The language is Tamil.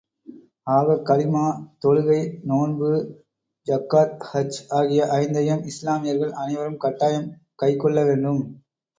ஆகக் கலிமா, தொழுகை, நோன்பு, ஜக்காத், ஹஜ் ஆகிய ஐந்தையும் இஸ்லாமியர்கள் அனைவரும் கட்டாயம் கைக்கொள்ள வேண்டும்.